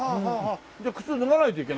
じゃあ靴脱がないといけないね。